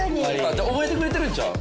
じゃあ覚えてくれてるんちゃう？